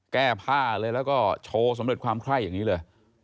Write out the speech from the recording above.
แก้ผ้าเลยแล้วก็โชว์สำเร็จความไคร้อย่างนี้เลย